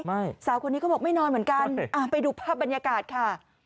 สาวคนนี้เขาบอกไม่นอนเหมือนกันไปดูภาพบรรยากาศค่ะ